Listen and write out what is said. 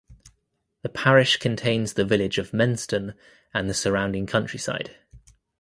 The parish contains the village of Menston and the surrounding countryside.